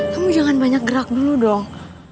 kamu jangan banyak gerak dulu dong